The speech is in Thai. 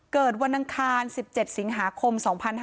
เกิดวันอังคาร๑๗สิงหาคม๒๕๕๙